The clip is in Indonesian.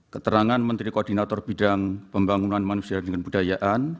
keterangan menteri koordinator bidang pembangunan manusia dan budayaan